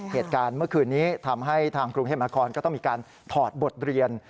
เหตุการณ์เมื่อคืนนี้ทำให้ทางกรุงเทพมหาคอนก็ต้องมีการถอดบทเรียน